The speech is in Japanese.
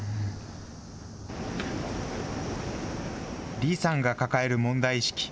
李さんが抱える問題意識。